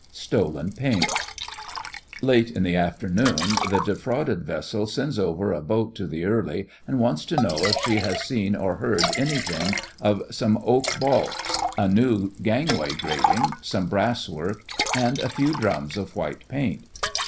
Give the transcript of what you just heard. STOLEN PAINT Late in the afternoon the defrauded vessel sends over a boat to the Early and wants to know if she has seen or heard anything of some oak baulks, a new gangway grating, some brass work, and a few drums of white paint.